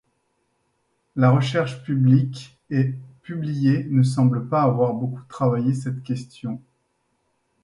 La recherche publique et publiée ne semble pas avoir beaucoup travaillé cette question.